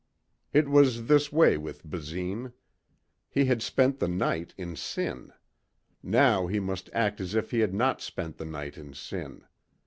It was this way with Basine. He had spent the night in sin. Now he must act as if he had not spent the night in sin.